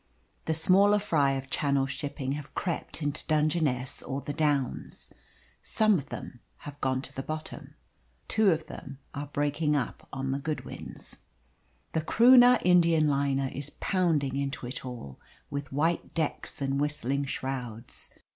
The smaller fry of Channel shipping have crept into Dungeness or the Downs. Some of them have gone to the bottom. Two of them are breaking up on the Goodwins. The Croonah Indian liner is pounding into it all, with white decks and whistling shrouds.